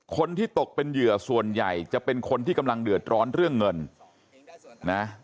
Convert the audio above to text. คนที่ตกเป็นเหยื่อส่วนใหญ่จะเป็นคนที่กำลังเดือดร้อนเรื่องเงินนะ